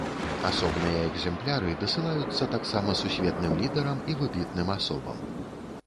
Асобныя экзэмпляры дасылаюцца таксама сусветным лідарам і выбітным асобам.